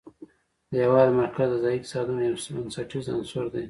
د هېواد مرکز د ځایي اقتصادونو یو بنسټیز عنصر دی.